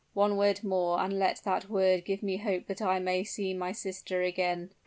one word more and let that word give me hope that I may see my sister again!"